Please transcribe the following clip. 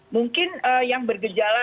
mungkin yang bergejala